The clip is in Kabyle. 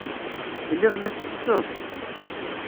Telliḍ la tsetteḍ?